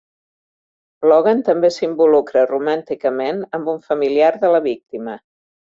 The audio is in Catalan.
Logan també s'involucra romànticament amb un familiar de la víctima.